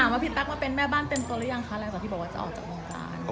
แล้วพี่บอกว่าจะออกจากโรงการ